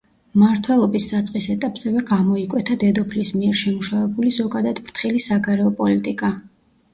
მმართველობის საწყის ეტაპზევე გამოიკვეთა დედოფლის მიერ შემუშავებული ზოგადად ფრთხილი საგარეო პოლიტიკა.